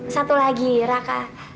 satu lagi raka